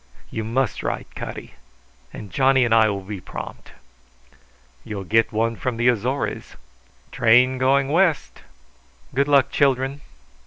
"You must write, Cutty, and Johnny and I will be prompt." "You'll get one from the Azores." "Train going west!" "Good luck, children!"